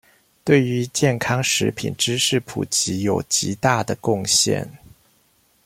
對於健康食品知識普及有極大的貢獻